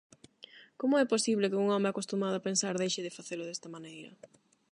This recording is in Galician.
Como é posible que un home acostumado a pensar deixe de facelo desta maneira?